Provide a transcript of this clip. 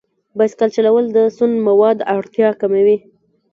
بایسکل چلول د سون موادو اړتیا کموي.